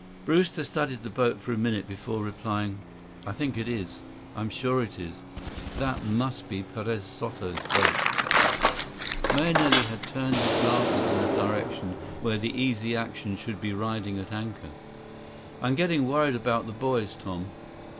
Brewster studied the boat for a minute before replying. "I think it is. I'm sure it is. That must be Perez Soto's boat." Mahenili had turned his glasses in the direction where the Easy Action should be riding at anchor. "I'm getting worried about the boys, Tom."